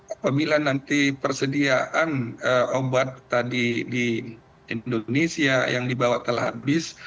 apabila nanti persediaan obat tadi di indonesia yang dibawa telah habis